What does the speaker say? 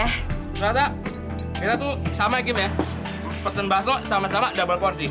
ternyata kita tuh sama kim ya pesen baso sama sama double porsi